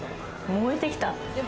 燃えてきた。